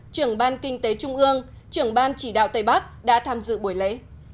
trưởng ban kinh tế trung ương trưởng ban chỉ đạo tây bắc đã tham dự buổi lễ